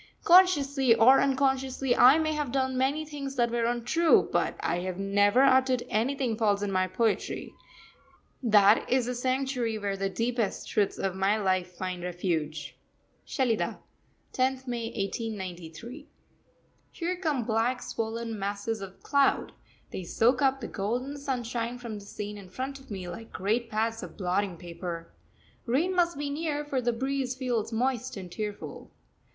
Consciously or unconsciously, I may have done many things that were untrue, but I have never uttered anything false in my poetry that is the sanctuary where the deepest truths of my life find refuge. SHELIDAH, 10th May 1893. Here come black, swollen masses of cloud; they soak up the golden sunshine from the scene in front of me like great pads of blotting paper. Rain must be near, for the breeze feels moist and tearful.